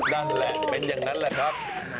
นั่นแหละเป็นอย่างนั้นแหละครับ